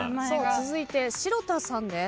続いて城田さんです。